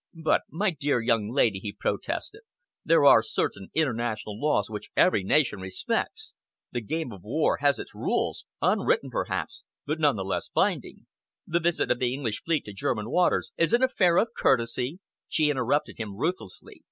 "But, my dear young lady," he protested, "there are certain international laws which every nation respects. The game of war has its rules unwritten, perhaps, but none the less binding. The visit of the English fleet to German waters is an affair of courtesy " She interrupted him ruthlessly.